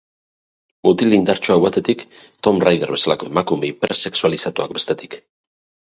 Mutil indartsuak batetik, Tomb Raider bezalako emakume hipersexualizatuak bestetik.